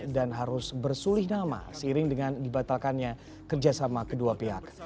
dan harus bersulih nama seiring dengan dibatalkannya kerjasama kedua pihak